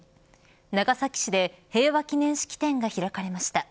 長崎市で平和祈念式典が開かれました。